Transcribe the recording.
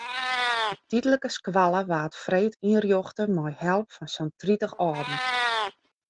De tydlike skoalle waard freed ynrjochte mei help fan sa'n tritich âlden.